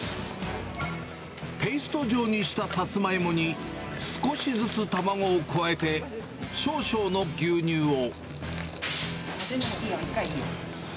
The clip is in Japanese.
ペースト状にしたさつまいもに、少しずつ卵を加えて、少々の牛乳を。